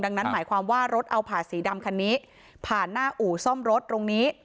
ดังนั้นหมายความว่ารถเอาผ่าสีดำคันนี้ผ่านหน้าอู่ซ่อมรถตรงนี้